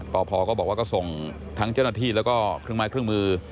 พก็บอกว่าก็ส่งทั้งเจ้าหน้าที่แล้วก็เครื่องไม้เครื่องมือ